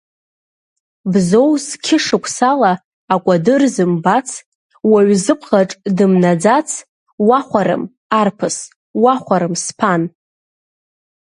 Бзоу зқьышықәсала акәадыр зымбац, Уаҩ зыбӷаҿ дымнаӡац, уахәарым, арԥыс, уахәарым сԥан!